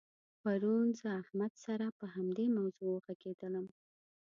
پرون زه له احمد سره په همدې موضوع وغږېدلم.